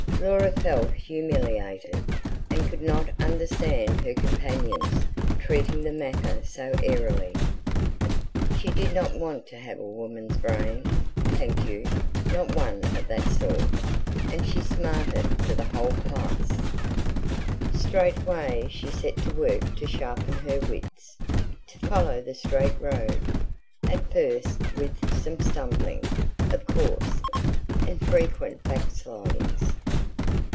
Laura felt humiliated, and could not understand her companions treating the matter so airily. She did not want to have a woman's brain, thank you; not one of that sort; and she smarted for the whole class. Straightway she set to work to sharpen her wits, to follow the strait road. At first with some stumbling, of course, and frequent backslidings.